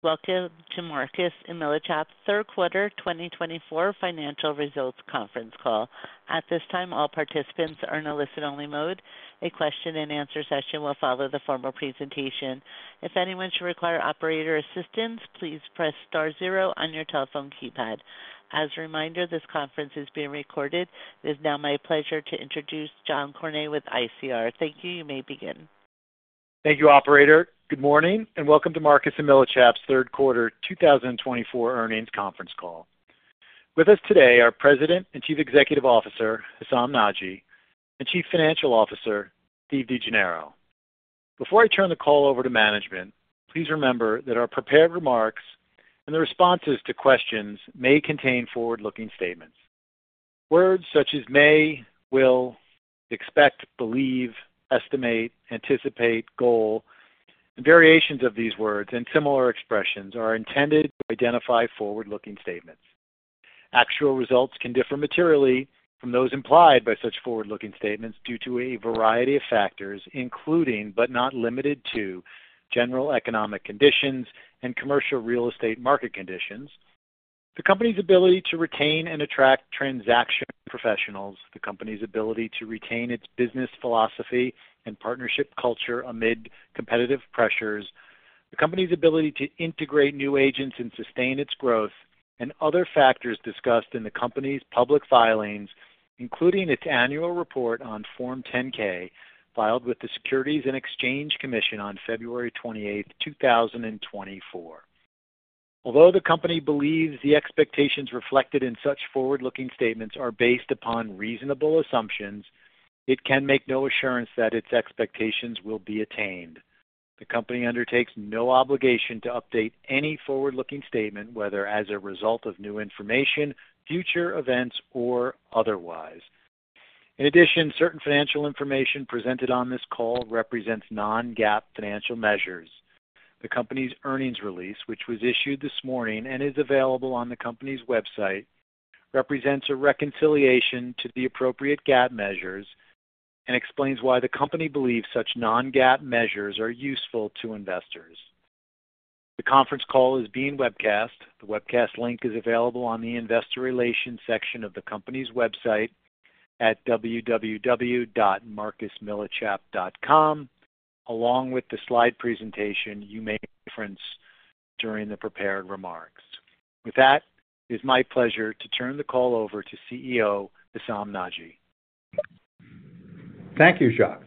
Welcome to Marcus & Millichap's Third Quarter 2024 Financial Results Conference Call. At this time, all participants are in a listen-only mode. A question-and-answer session will follow the formal presentation. If anyone should require operator assistance, please press star zero on your telephone keypad. As a reminder, this conference is being recorded. It is now my pleasure to introduce Jacques Cornet with ICR. Thank you. You may begin. Thank you, Operator. Good morning and welcome to Marcus & Millichap's Third Quarter 2024 Earnings Conference Call. With us today are President and Chief Executive Officer Hessam Nadji and Chief Financial Officer Steve DeGennaro. Before I turn the call over to management, please remember that our prepared remarks and the responses to questions may contain forward-looking statements. Words such as may, will, expect, believe, estimate, anticipate, goal, and variations of these words and similar expressions are intended to identify forward-looking statements. Actual results can differ materially from those implied by such forward-looking statements due to a variety of factors, including, but not limited to, general economic conditions and commercial real estate market conditions. The company's ability to retain and attract transactional professionals, the company's ability to retain its business philosophy and partnership culture amid competitive pressures, the company's ability to integrate new agents and sustain its growth, and other factors discussed in the company's public filings, including its annual report on Form 10-K filed with the Securities and Exchange Commission on February 28, 2024. Although the company believes the expectations reflected in such forward-looking statements are based upon reasonable assumptions, it can make no assurance that its expectations will be attained. The company undertakes no obligation to update any forward-looking statement, whether as a result of new information, future events, or otherwise. In addition, certain financial information presented on this call represents non-GAAP financial measures. The company's earnings release, which was issued this morning and is available on the company's website, represents a reconciliation to the appropriate GAAP measures and explains why the company believes such non-GAAP measures are useful to investors. The conference call is being webcast. The webcast link is available on the investor relations section of the company's website at www.marcusmillichap.com, along with the slide presentation you may reference during the prepared remarks. With that, it is my pleasure to turn the call over to CEO Hessam Nadji. Thank you, Jacques.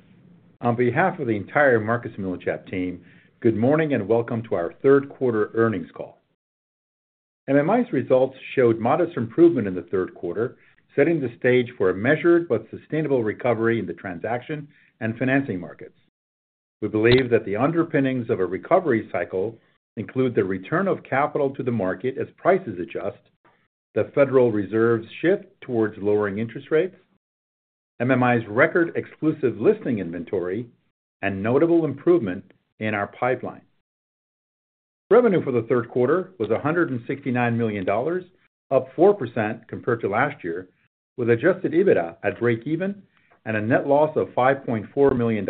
On behalf of the entire Marcus & Millichap team, good morning and welcome to our third quarter earnings call. MMI's results showed modest improvement in the third quarter, setting the stage for a measured but sustainable recovery in the transaction and financing markets. We believe that the underpinnings of a recovery cycle include the return of capital to the market as prices adjust, the Federal Reserve's shift towards lowering interest rates, MMI's record exclusive listing inventory, and notable improvement in our pipeline. Revenue for the third quarter was $169 million, up 4% compared to last year, with adjusted EBITDA at break-even and a net loss of $5.4 million.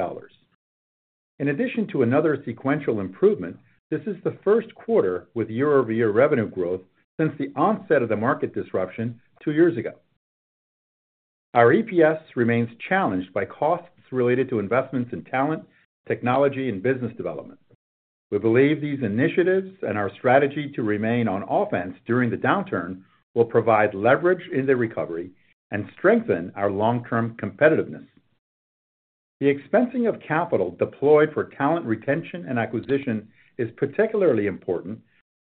In addition to another sequential improvement, this is the first quarter with year-over-year revenue growth since the onset of the market disruption two years ago. Our EPS remains challenged by costs related to investments in talent, technology, and business development. We believe these initiatives and our strategy to remain on offense during the downturn will provide leverage in the recovery and strengthen our long-term competitiveness. The expensing of capital deployed for talent retention and acquisition is particularly important,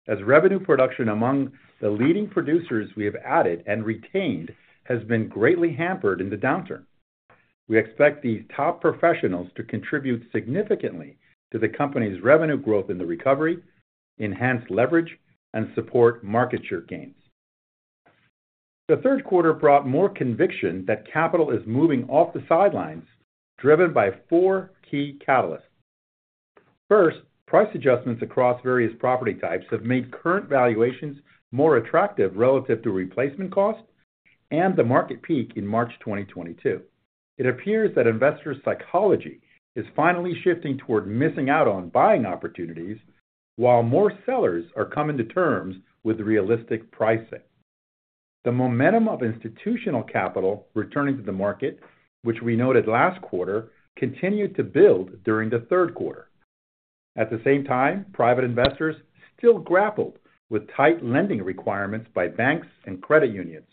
as revenue production among the leading producers we have added and retained has been greatly hampered in the downturn. We expect these top professionals to contribute significantly to the company's revenue growth in the recovery, enhance leverage, and support market share gains. The third quarter brought more conviction that capital is moving off the sidelines, driven by four key catalysts. First, price adjustments across various property types have made current valuations more attractive relative to replacement cost and the market peak in March 2022. It appears that investor psychology is finally shifting toward missing out on buying opportunities, while more sellers are coming to terms with realistic pricing. The momentum of institutional capital returning to the market, which we noted last quarter, continued to build during the third quarter. At the same time, private investors still grappled with tight lending requirements by banks and credit unions.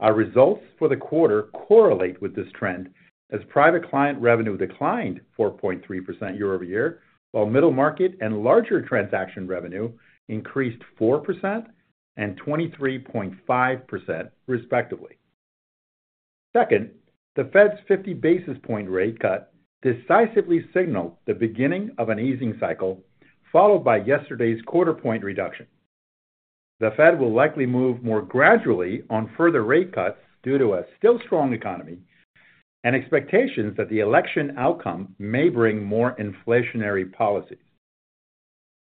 Our results for the quarter correlate with this trend, as private client revenue declined 4.3% year-over-year, while middle market and larger transaction revenue increased 4% and 23.5%, respectively. Second, the Fed's 50 basis point rate cut decisively signaled the beginning of an easing cycle, followed by yesterday's quarter-point reduction. The Fed will likely move more gradually on further rate cuts due to a still-strong economy and expectations that the election outcome may bring more inflationary policies.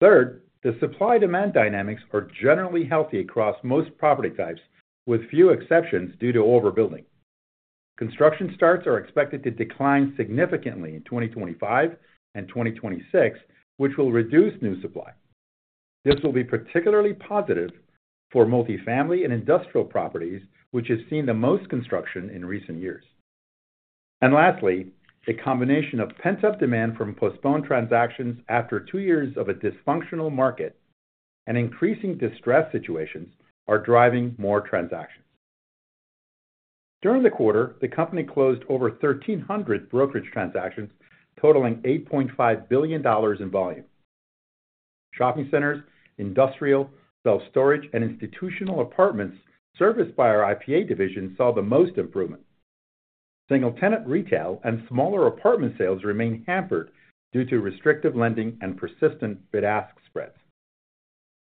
Third, the supply-demand dynamics are generally healthy across most property types, with few exceptions due to overbuilding. Construction starts are expected to decline significantly in 2025 and 2026, which will reduce new supply. This will be particularly positive for multifamily and industrial properties, which have seen the most construction in recent years. And lastly, a combination of pent-up demand from postponed transactions after two years of a dysfunctional market and increasing distress situations are driving more transactions. During the quarter, the company closed over 1,300 brokerage transactions, totaling $8.5 billion in volume. Shopping centers, industrial, self-storage, and institutional apartments serviced by our IPA division saw the most improvement. Single-tenant retail and smaller apartment sales remain hampered due to restrictive lending and persistent bid-ask spreads.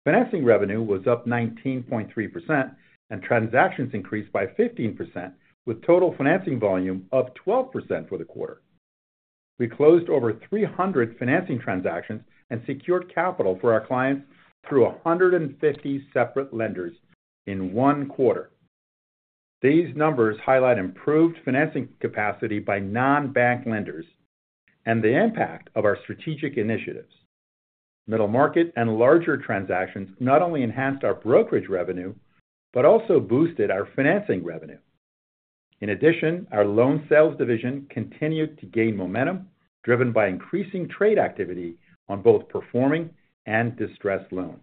Financing revenue was up 19.3%, and transactions increased by 15%, with total financing volume up 12% for the quarter. We closed over 300 financing transactions and secured capital for our clients through 150 separate lenders in one quarter. These numbers highlight improved financing capacity by non-bank lenders and the impact of our strategic initiatives. Middle market and larger transactions not only enhanced our brokerage revenue, but also boosted our financing revenue. In addition, our loan sales division continued to gain momentum, driven by increasing trade activity on both performing and distressed loans.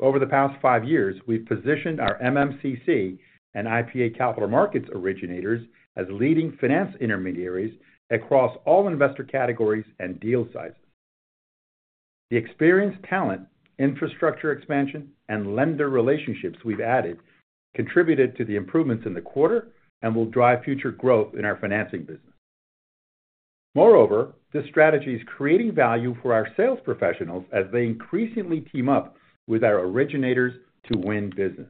Over the past five years, we've positioned our MMCC and IPA Capital Markets originators as leading finance intermediaries across all investor categories and deal sizes. The experienced talent, infrastructure expansion, and lender relationships we've added contributed to the improvements in the quarter and will drive future growth in our financing business. Moreover, this strategy is creating value for our sales professionals as they increasingly team up with our originators to win business.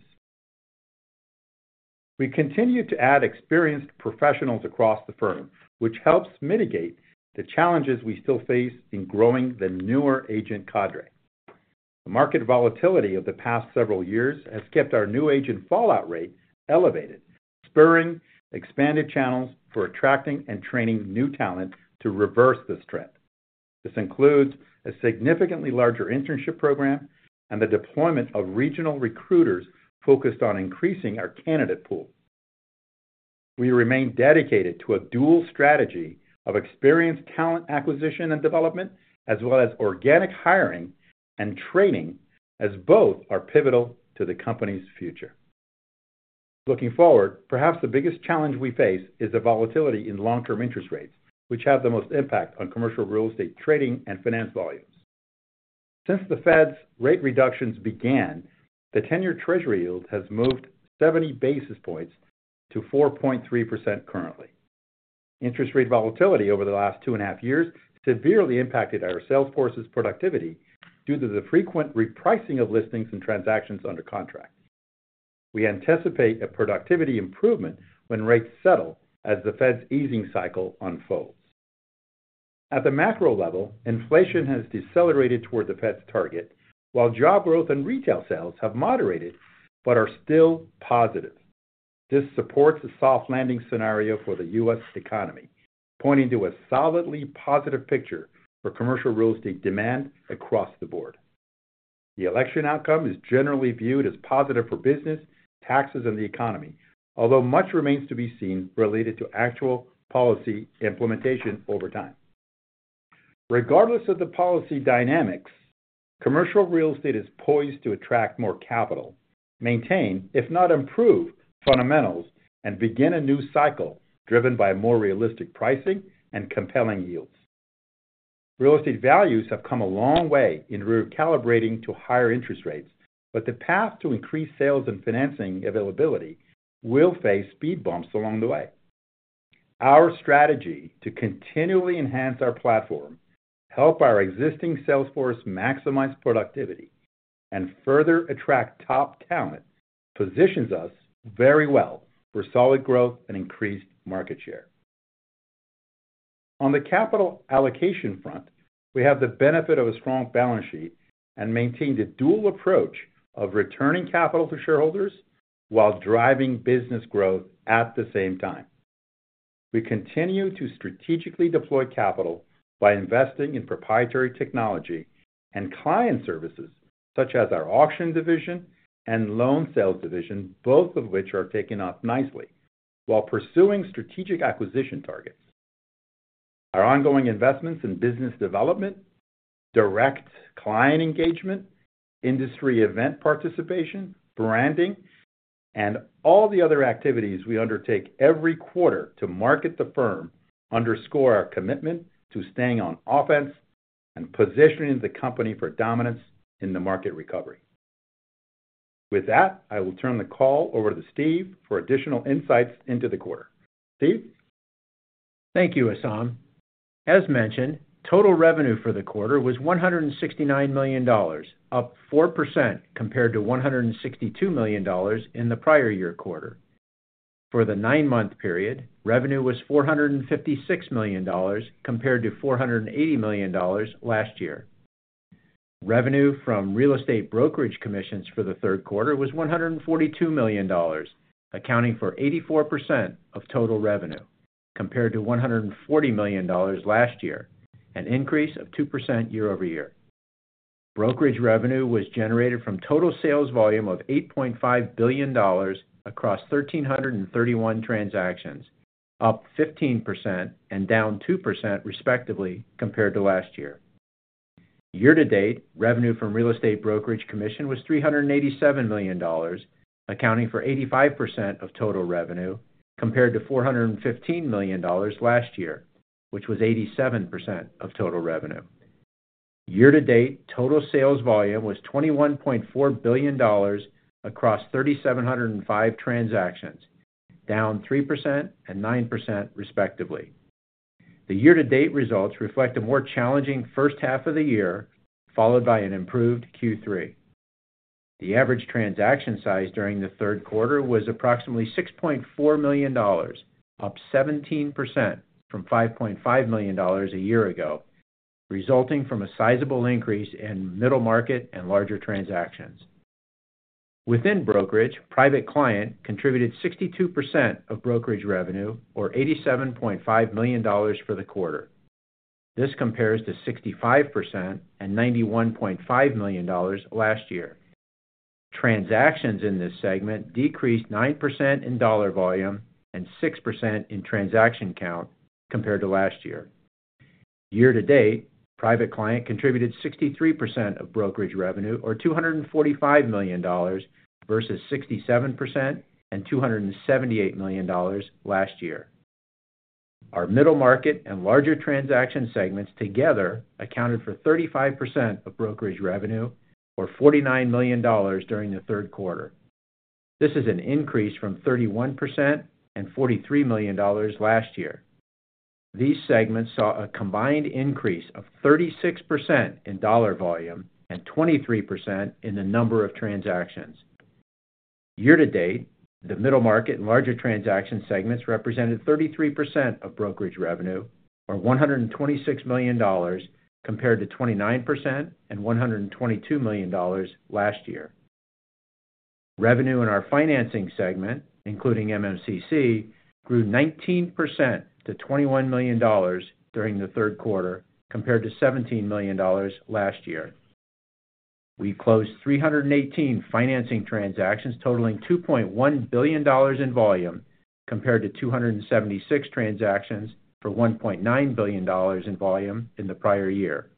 We continue to add experienced professionals across the firm, which helps mitigate the challenges we still face in growing the newer agent cadre. The market volatility of the past several years has kept our new agent fallout rate elevated, spurring expanded channels for attracting and training new talent to reverse this trend. This includes a significantly larger internship program and the deployment of regional recruiters focused on increasing our candidate pool. We remain dedicated to a dual strategy of experienced talent acquisition and development, as well as organic hiring and training, as both are pivotal to the company's future. Looking forward, perhaps the biggest challenge we face is the volatility in long-term interest rates, which have the most impact on commercial real estate trading and finance volumes. Since the Fed's rate reductions began, the 10-year Treasury yield has moved 70 basis points to 4.3% currently. Interest rate volatility over the last two and a half years severely impacted our sales force's productivity due to the frequent repricing of listings and transactions under contract. We anticipate a productivity improvement when rates settle as the Fed's easing cycle unfolds. At the macro level, inflation has decelerated toward the Fed's target, while job growth and retail sales have moderated but are still positive. This supports a soft landing scenario for the U.S. economy, pointing to a solidly positive picture for commercial real estate demand across the board. The election outcome is generally viewed as positive for business, taxes, and the economy, although much remains to be seen related to actual policy implementation over time. Regardless of the policy dynamics, commercial real estate is poised to attract more capital, maintain, if not improve, fundamentals, and begin a new cycle driven by more realistic pricing and compelling yields. Real estate values have come a long way in recalibrating to higher interest rates, but the path to increased sales and financing availability will face speed bumps along the way. Our strategy to continually enhance our platform, help our existing sales force maximize productivity, and further attract top talent positions us very well for solid growth and increased market share. On the capital allocation front, we have the benefit of a strong balance sheet and maintained a dual approach of returning capital to shareholders while driving business growth at the same time. We continue to strategically deploy capital by investing in proprietary technology and client services, such as our auction division and loan sales division, both of which are taking off nicely, while pursuing strategic acquisition targets. Our ongoing investments in business development, direct client engagement, industry event participation, branding, and all the other activities we undertake every quarter to market the firm underscore our commitment to staying on offense and positioning the company for dominance in the market recovery. With that, I will turn the call over to Steve for additional insights into the quarter. Steve? Thank you, Hessam. As mentioned, total revenue for the quarter was $169 million, up 4% compared to $162 million in the prior year quarter. For the nine-month period, revenue was $456 million compared to $480 million last year. Revenue from real estate brokerage commissions for the third quarter was $142 million, accounting for 84% of total revenue, compared to $140 million last year, an increase of 2% year-over-year. Brokerage revenue was generated from total sales volume of $8.5 billion across 1,331 transactions, up 15% and down 2%, respectively, compared to last year. Year-to-date, revenue from real estate brokerage commission was $387 million, accounting for 85% of total revenue, compared to $415 million last year, which was 87% of total revenue. Year-to-date, total sales volume was $21.4 billion across 3,705 transactions, down 3% and 9%, respectively. The year-to-date results reflect a more challenging first half of the year, followed by an improved Q3. The average transaction size during the third quarter was approximately $6.4 million, up 17% from $5.5 million a year ago, resulting from a sizable increase in middle market and larger transactions. Within brokerage, private client contributed 62% of brokerage revenue, or $87.5 million for the quarter. This compares to 65% and $91.5 million last year. Transactions in this segment decreased 9% in dollar volume and 6% in transaction count compared to last year. Year-to-date, private client contributed 63% of brokerage revenue, or $245 million, versus 67% and $278 million last year. Our middle market and larger transaction segments together accounted for 35% of brokerage revenue, or $49 million during the third quarter. This is an increase from 31% and $43 million last year. These segments saw a combined increase of 36% in dollar volume and 23% in the number of transactions. Year-to-date, the middle market and larger transaction segments represented 33% of brokerage revenue, or $126 million, compared to 29% and $122 million last year. Revenue in our financing segment, including MMCC, grew 19% to $21 million during the third quarter, compared to $17 million last year. We closed 318 financing transactions totaling $2.1 billion in volume, compared to 276 transactions for $1.9 billion in volume in the prior year.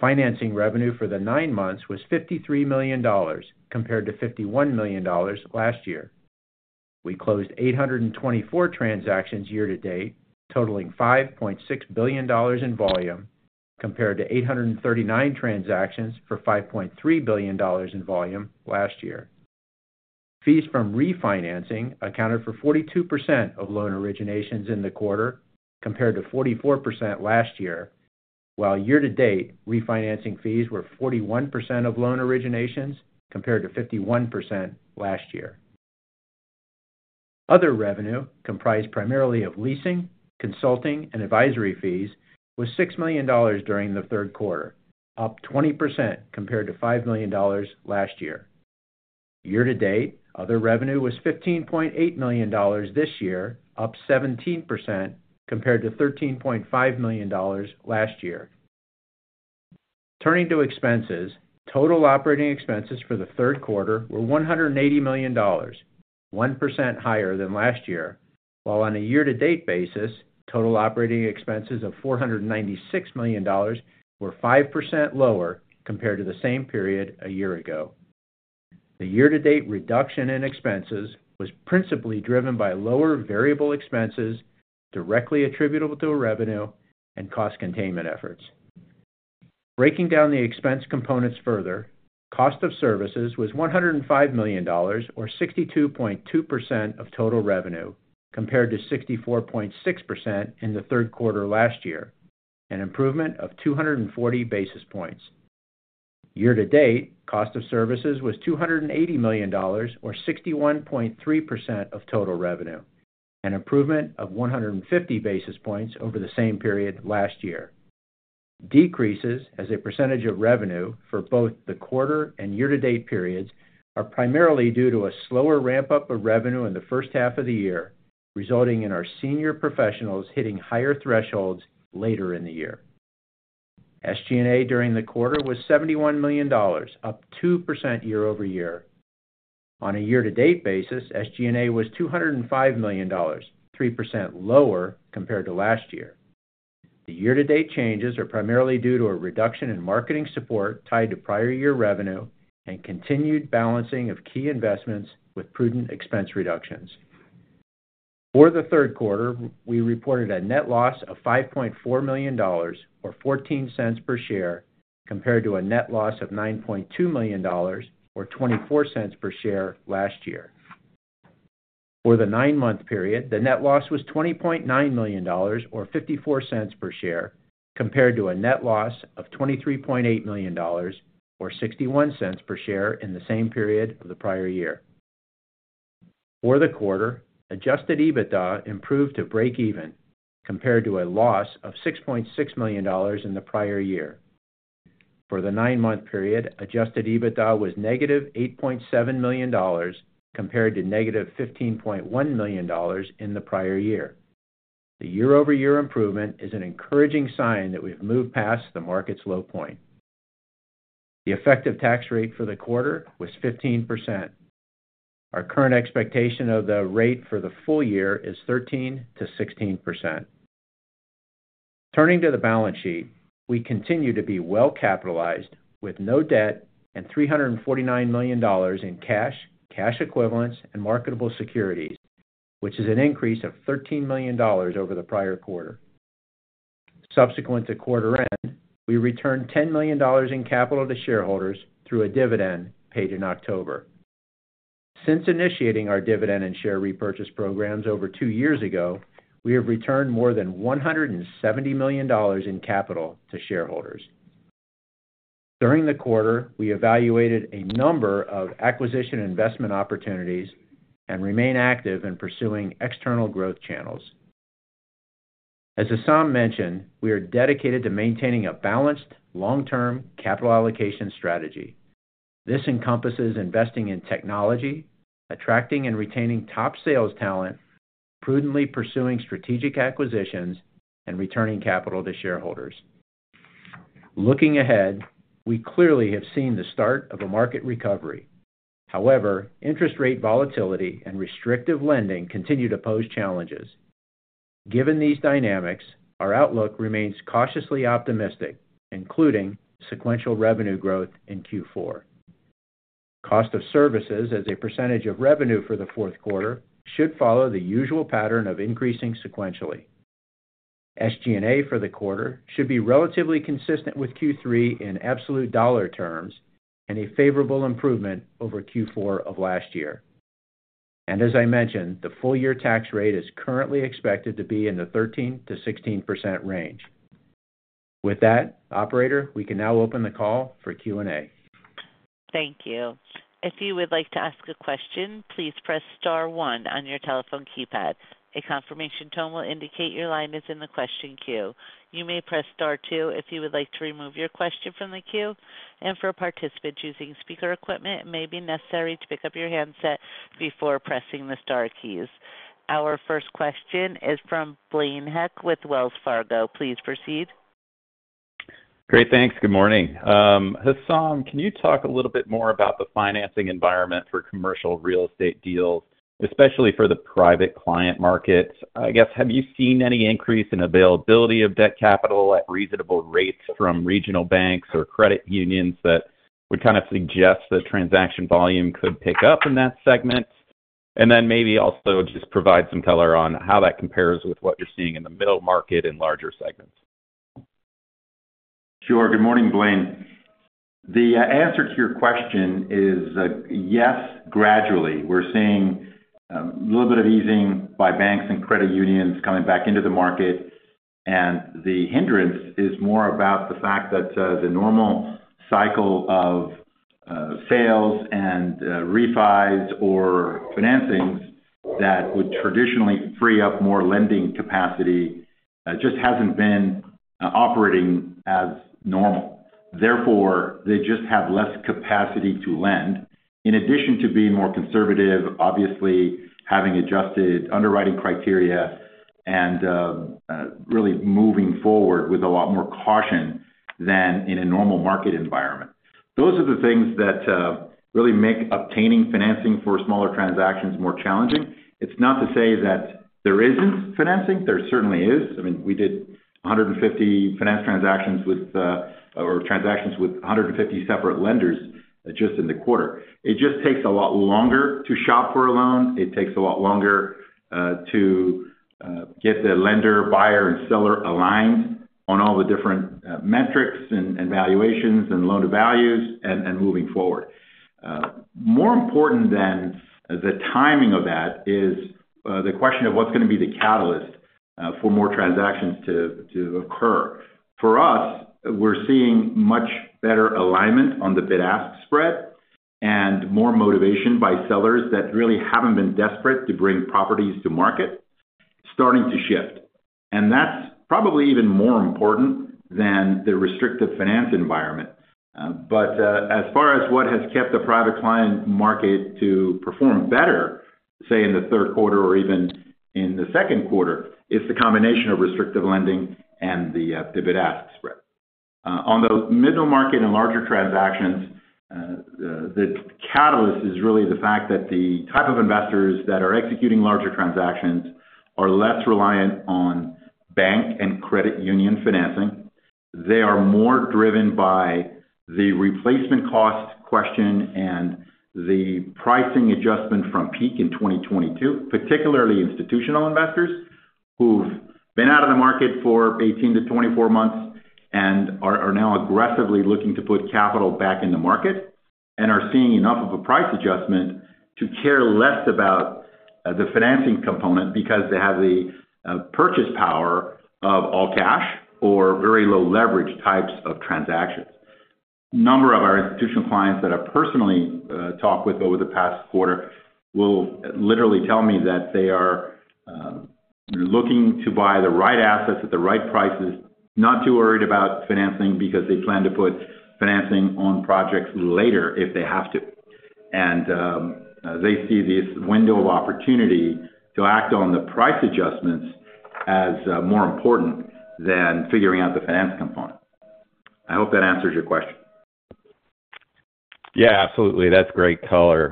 Financing revenue for the nine months was $53 million, compared to $51 million last year. We closed 824 transactions year-to-date, totaling $5.6 billion in volume, compared to 839 transactions for $5.3 billion in volume last year. Fees from refinancing accounted for 42% of loan originations in the quarter, compared to 44% last year, while year-to-date refinancing fees were 41% of loan originations, compared to 51% last year. Other revenue, comprised primarily of leasing, consulting, and advisory fees, was $6 million during the third quarter, up 20%, compared to $5 million last year. Year-to-date, other revenue was $15.8 million this year, up 17%, compared to $13.5 million last year. Turning to expenses, total operating expenses for the third quarter were $180 million, 1% higher than last year, while on a year-to-date basis, total operating expenses of $496 million were 5% lower compared to the same period a year ago. The year-to-date reduction in expenses was principally driven by lower variable expenses directly attributable to revenue and cost containment efforts. Breaking down the expense components further, cost of services was $105 million, or 62.2% of total revenue, compared to 64.6% in the third quarter last year, an improvement of 240 basis points. Year-to-date, cost of services was $280 million, or 61.3% of total revenue, an improvement of 150 basis points over the same period last year. Decreases as a percentage of revenue for both the quarter and year-to-date periods are primarily due to a slower ramp-up of revenue in the first half of the year, resulting in our senior professionals hitting higher thresholds later in the year. SG&A during the quarter was $71 million, up 2% year-over-year. On a year-to-date basis, SG&A was $205 million, 3% lower compared to last year. The year-to-date changes are primarily due to a reduction in marketing support tied to prior year revenue and continued balancing of key investments with prudent expense reductions. For the third quarter, we reported a net loss of $5.4 million, or $0.14 per share, compared to a net loss of $9.2 million, or $0.24 per share last year. For the nine-month period, the net loss was $20.9 million, or $0.54 per share, compared to a net loss of $23.8 million, or $0.61 per share in the same period of the prior year. For the quarter, adjusted EBITDA improved to break-even, compared to a loss of $6.6 million in the prior year. For the nine-month period, adjusted EBITDA was negative $8.7 million, compared to negative $15.1 million in the prior year. The year-over-year improvement is an encouraging sign that we've moved past the market's low point. The effective tax rate for the quarter was 15%. Our current expectation of the rate for the full year is 13%-16%. Turning to the balance sheet, we continue to be well-capitalized with no debt and $349 million in cash, cash equivalents, and marketable securities, which is an increase of $13 million over the prior quarter. Subsequent to quarter end, we returned $10 million in capital to shareholders through a dividend paid in October. Since initiating our dividend and share repurchase programs over two years ago, we have returned more than $170 million in capital to shareholders. During the quarter, we evaluated a number of acquisition investment opportunities and remain active in pursuing external growth channels. As Hessam mentioned, we are dedicated to maintaining a balanced, long-term capital allocation strategy. This encompasses investing in technology, attracting and retaining top sales talent, prudently pursuing strategic acquisitions, and returning capital to shareholders. Looking ahead, we clearly have seen the start of a market recovery. However, interest rate volatility and restrictive lending continue to pose challenges. Given these dynamics, our outlook remains cautiously optimistic, including sequential revenue growth in Q4. Cost of services as a percentage of revenue for the fourth quarter should follow the usual pattern of increasing sequentially. SG&A for the quarter should be relatively consistent with Q3 in absolute dollar terms and a favorable improvement over Q4 of last year. And as I mentioned, the full-year tax rate is currently expected to be in the 13%-16% range. With that, Operator, we can now open the call for Q&A. Thank you. If you would like to ask a question, please press star one on your telephone keypad. A confirmation tone will indicate your line is in the question queue. You may press star two if you would like to remove your question from the queue, and for participants using speaker equipment, it may be necessary to pick up your handset before pressing the star keys. Our first question is from Blaine Heck with Wells Fargo. Please proceed. Great, thanks. Good morning. Hessam, can you talk a little bit more about the financing environment for commercial real estate deals, especially for the private client markets? I guess, have you seen any increase in availability of debt capital at reasonable rates from regional banks or credit unions that would kind of suggest that transaction volume could pick up in that segment? And then maybe also just provide some color on how that compares with what you're seeing in the middle market and larger segments. Sure. Good morning, Blaine. The answer to your question is yes, gradually. We're seeing a little bit of easing by banks and credit unions coming back into the market, and the hindrance is more about the fact that the normal cycle of sales and refis or financings that would traditionally free up more lending capacity just hasn't been operating as normal. Therefore, they just have less capacity to lend, in addition to being more conservative, obviously having adjusted underwriting criteria and really moving forward with a lot more caution than in a normal market environment. Those are the things that really make obtaining financing for smaller transactions more challenging. It's not to say that there isn't financing. There certainly is. I mean, we did 150 finance transactions with 150 separate lenders just in the quarter. It just takes a lot longer to shop for a loan. It takes a lot longer to get the lender, buyer, and seller aligned on all the different metrics and valuations and loan-to-values and moving forward. More important than the timing of that is the question of what's going to be the catalyst for more transactions to occur. For us, we're seeing much better alignment on the bid-ask spread and more motivation by sellers that really haven't been desperate to bring properties to market starting to shift. And that's probably even more important than the restrictive finance environment. But as far as what has kept the private client market to perform better, say, in the third quarter or even in the second quarter, it's the combination of restrictive lending and the bid-ask spread. On the middle market and larger transactions, the catalyst is really the fact that the type of investors that are executing larger transactions are less reliant on bank and credit union financing. They are more driven by the replacement cost question and the pricing adjustment from peak in 2022, particularly institutional investors who've been out of the market for 18 to 24 months and are now aggressively looking to put capital back in the market and are seeing enough of a price adjustment to care less about the financing component because they have the purchasing power of all cash or very low leverage types of transactions. A number of our institutional clients that I've personally talked with over the past quarter will literally tell me that they are looking to buy the right assets at the right prices, not too worried about financing because they plan to put financing on projects later if they have to, and they see this window of opportunity to act on the price adjustments as more important than figuring out the finance component. I hope that answers your question. Yeah, absolutely. That's great color.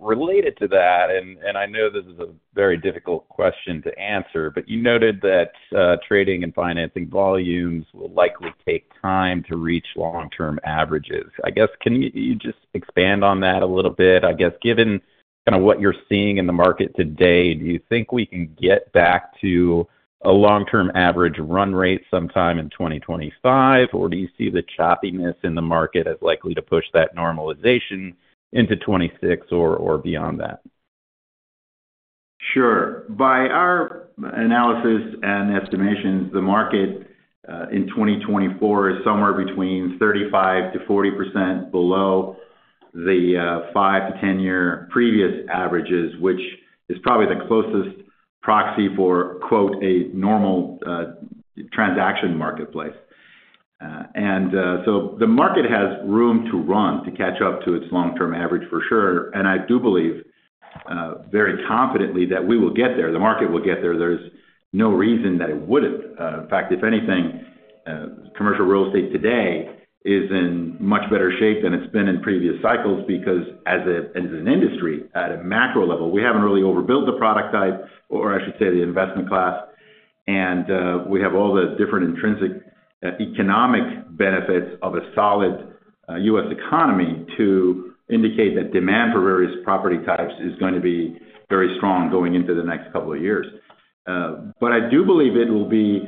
Related to that, and I know this is a very difficult question to answer, but you noted that trading and financing volumes will likely take time to reach long-term averages. I guess, can you just expand on that a little bit? I guess, given kind of what you're seeing in the market today, do you think we can get back to a long-term average run rate sometime in 2025, or do you see the choppiness in the market as likely to push that normalization into 2026 or beyond that? Sure. By our analysis and estimations, the market in 2024 is somewhere between 35%-40% below the 5 to 10-year previous averages, which is probably the closest proxy for, quote, a normal transaction marketplace, and so the market has room to run to catch up to its long-term average, for sure, and I do believe very confidently that we will get there. The market will get there. There is no reason that it wouldn't. In fact, if anything, commercial real estate today is in much better shape than it's been in previous cycles because, as an industry at a macro level, we haven't really overbuilt the product type, or I should say the investment class, and we have all the different intrinsic economic benefits of a solid U.S. economy to indicate that demand for various property types is going to be very strong going into the next couple of years. But I do believe it will be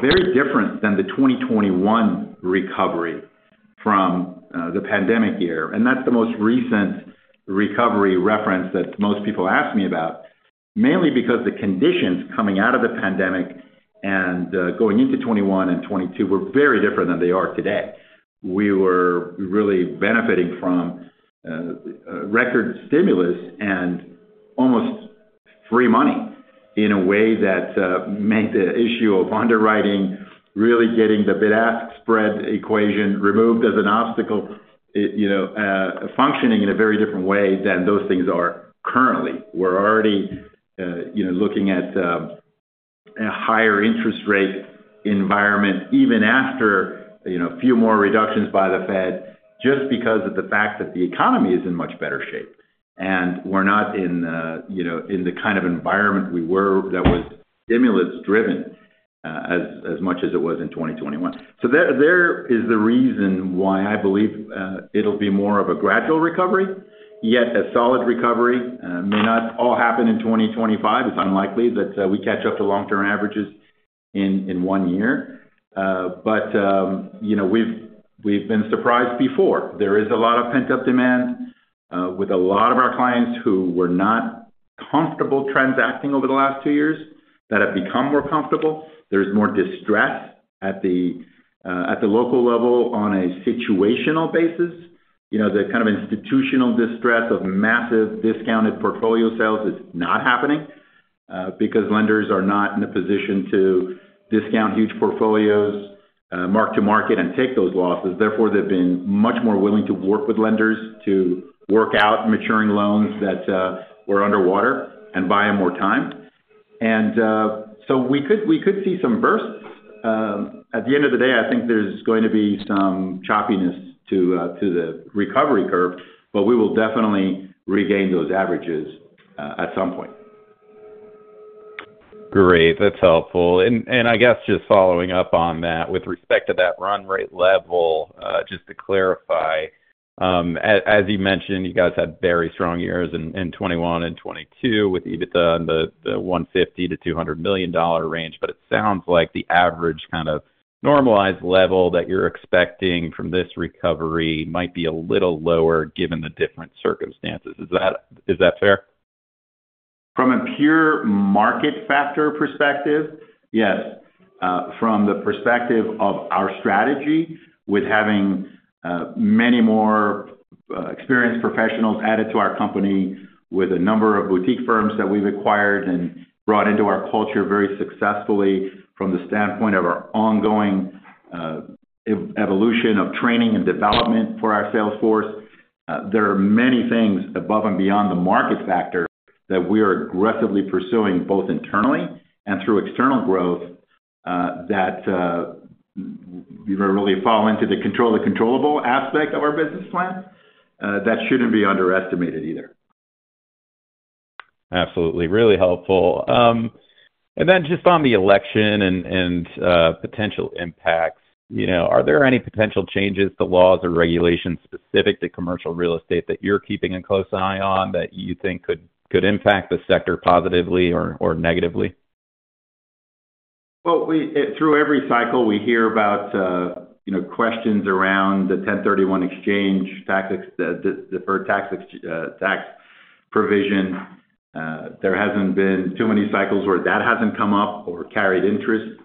very different than the 2021 recovery from the pandemic year. And that's the most recent recovery reference that most people ask me about, mainly because the conditions coming out of the pandemic and going into 2021 and 2022 were very different than they are today. We were really benefiting from record stimulus and almost free money in a way that made the issue of underwriting, really getting the bid-ask spread equation removed as an obstacle, functioning in a very different way than those things are currently. We're already looking at a higher interest rate environment even after a few more reductions by the Fed just because of the fact that the economy is in much better shape. And we're not in the kind of environment we were that was stimulus-driven as much as it was in 2021. So there is the reason why I believe it'll be more of a gradual recovery. Yet a solid recovery may not all happen in 2025. It's unlikely that we catch up to long-term averages in one year. But we've been surprised before. There is a lot of pent-up demand with a lot of our clients who were not comfortable transacting over the last two years that have become more comfortable. There's more distress at the local level on a situational basis. The kind of institutional distress of massive discounted portfolio sales is not happening because lenders are not in a position to discount huge portfolios mark to market and take those losses. Therefore, they've been much more willing to work with lenders to work out maturing loans that were underwater and buy them more time. And so we could see some bursts. At the end of the day, I think there's going to be some choppiness to the recovery curve, but we will definitely regain those averages at some point. Great. That's helpful. And I guess just following up on that with respect to that run rate level, just to clarify, as you mentioned, you guys had very strong years in 2021 and 2022 with EBITDA in the $150-$200 million range. But it sounds like the average kind of normalized level that you're expecting from this recovery might be a little lower given the different circumstances. Is that fair? From a pure market factor perspective, yes. From the perspective of our strategy with having many more experienced professionals added to our company with a number of boutique firms that we've acquired and brought into our culture very successfully from the standpoint of our ongoing evolution of training and development for our sales force, there are many things above and beyond the market factor that we are aggressively pursuing both internally and through external growth that really fall into the control of the controllable aspect of our business plan that shouldn't be underestimated either. Absolutely. Really helpful. And then just on the election and potential impacts, are there any potential changes to laws or regulations specific to commercial real estate that you're keeping a close eye on that you think could impact the sector positively or negatively? Through every cycle, we hear about questions around the 1031 exchange tax provision. There hasn't been too many cycles where that hasn't come up or carried interest.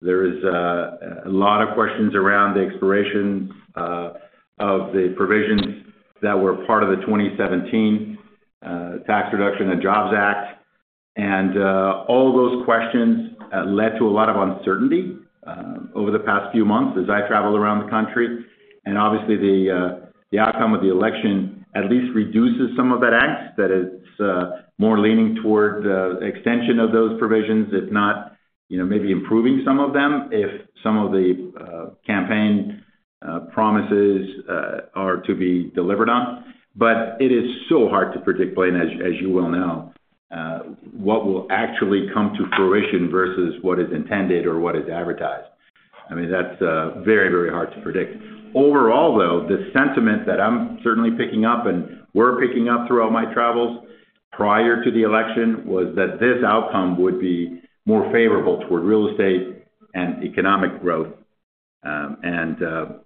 There is a lot of questions around the expirations of the provisions that were part of the 2017 Tax Cuts and Jobs Act. All those questions led to a lot of uncertainty over the past few months as I traveled around the country. Obviously, the outcome of the election at least reduces some of that angst that it's more leaning toward the extension of those provisions, if not maybe improving some of them if some of the campaign promises are to be delivered on. It is so hard to predict, Blaine, as you well know, what will actually come to fruition versus what is intended or what is advertised. I mean, that's very, very hard to predict. Overall, though, the sentiment that I'm certainly picking up and we're picking up throughout my travels prior to the election was that this outcome would be more favorable toward real estate and economic growth. And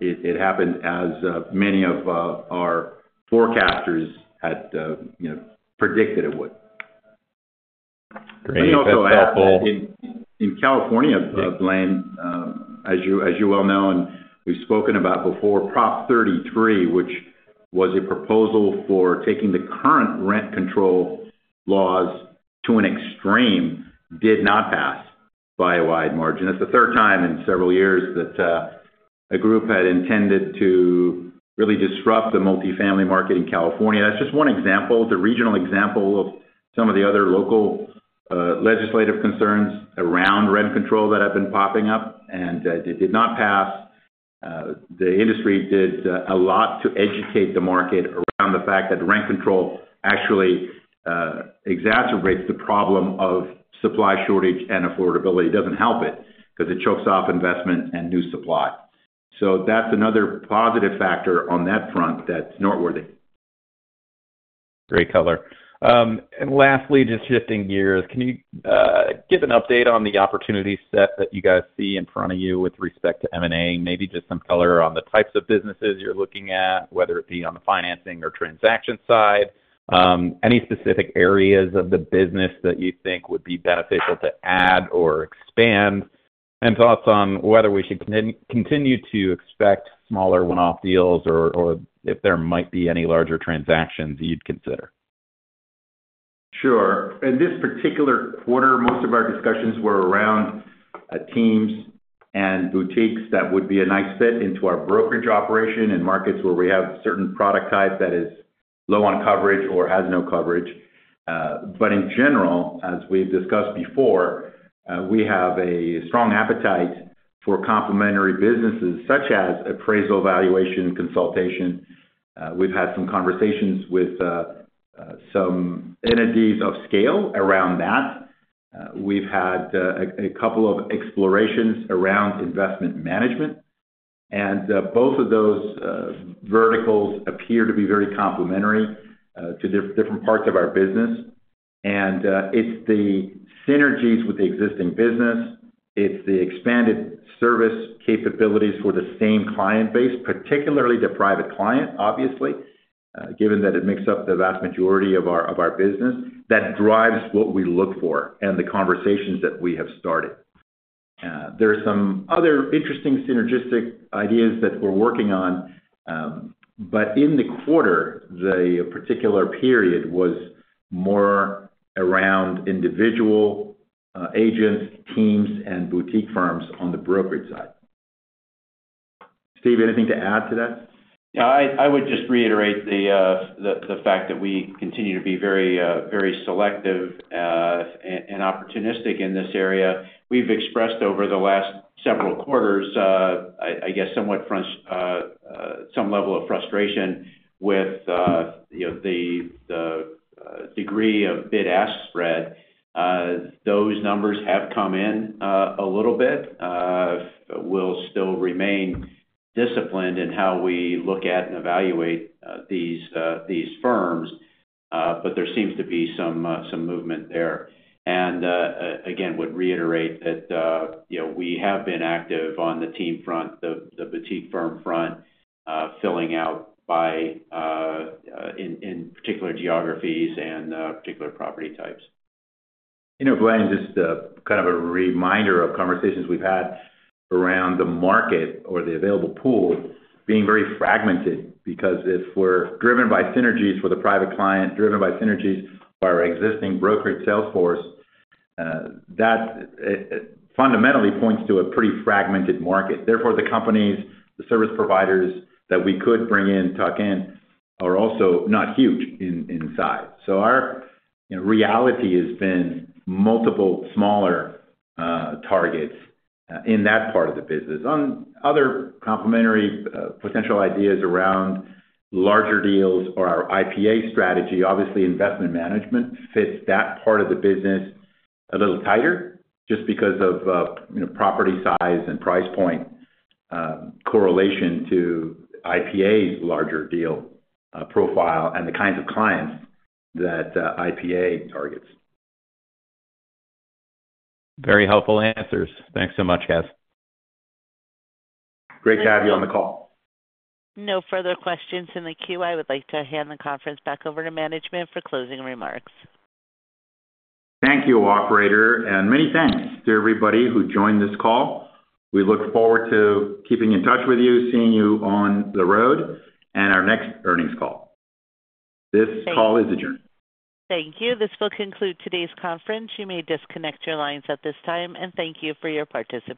it happened as many of our forecasters had predicted it would. Great. That's helpful. In California, Blaine, as you well know, and we've spoken about before, Prop 33, which was a proposal for taking the current rent control laws to an extreme, did not pass by a wide margin. It's the third time in several years that a group had intended to really disrupt the multifamily market in California. That's just one example. It's a regional example of some of the other local legislative concerns around rent control that have been popping up, and it did not pass. The industry did a lot to educate the market around the fact that rent control actually exacerbates the problem of supply shortage and affordability. It doesn't help it because it chokes off investment and new supply, so that's another positive factor on that front that's noteworthy. Great color. And lastly, just shifting gears, can you give an update on the opportunity set that you guys see in front of you with respect to M&A? Maybe just some color on the types of businesses you're looking at, whether it be on the financing or transaction side, any specific areas of the business that you think would be beneficial to add or expand, and thoughts on whether we should continue to expect smaller one-off deals or if there might be any larger transactions you'd consider? Sure. In this particular quarter, most of our discussions were around teams and boutiques that would be a nice fit into our brokerage operation in markets where we have certain product types that are low on coverage or have no coverage. But in general, as we've discussed before, we have a strong appetite for complementary businesses such as appraisal evaluation consultation. We've had some conversations with some entities of scale around that. We've had a couple of explorations around investment management. And both of those verticals appear to be very complementary to different parts of our business. And it's the synergies with the existing business. It's the expanded service capabilities for the same client base, particularly the private client, obviously, given that it makes up the vast majority of our business that drives what we look for and the conversations that we have started. There are some other interesting synergistic ideas that we're working on. But in the quarter, the particular period was more around individual agents, teams, and boutique firms on the brokerage side. Steve, anything to add to that? Yeah. I would just reiterate the fact that we continue to be very selective and opportunistic in this area. We've expressed over the last several quarters, I guess, somewhat some level of frustration with the degree of bid-ask spread. Those numbers have come in a little bit. We'll still remain disciplined in how we look at and evaluate these firms. But there seems to be some movement there. And again, would reiterate that we have been active on the team front, the boutique firm front, filling out in particular geographies and particular property types. You know, Blaine, just kind of a reminder of conversations we've had around the market or the available pool being very fragmented because if we're driven by synergies for the private client, driven by synergies for our existing brokerage sales force, that fundamentally points to a pretty fragmented market. Therefore, the companies, the service providers that we could bring in, tuck in, are also not huge in size. So our reality has been multiple smaller targets in that part of the business. On other complementary potential ideas around larger deals or our IPA strategy, obviously, investment management fits that part of the business a little tighter just because of property size and price point correlation to IPA's larger deal profile and the kinds of clients that IPA targets. Very helpful answers. Thanks so much, guys. Great to have you on the call. No further questions in the queue. I would like to hand the conference back over to management for closing remarks. Thank you, operator. And many thanks to everybody who joined this call. We look forward to keeping in touch with you, seeing you on the road, and our next earnings call. This call is adjourned. Thank you. This will conclude today's conference. You may disconnect your lines at this time. And thank you for your participation.